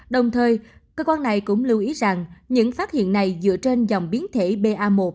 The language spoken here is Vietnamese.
đồng thời cơ quan này cũng lưu ý rằng những phát hiện này dựa trên dòng biến thể ba một